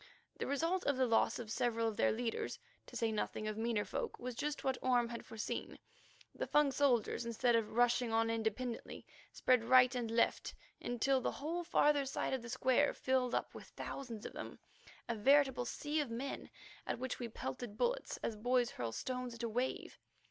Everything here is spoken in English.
The result of the loss of several of their leaders, to say nothing of meaner folk, was just what Orme had foreseen. The Fung soldiers, instead of rushing on independently, spread to right and left, until the whole farther side of the square filled up with thousands of them, a veritable sea of men, at which we pelted bullets as boys hurl stones at a wave.